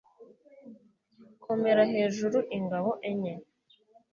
Komera hejuru ingabo enye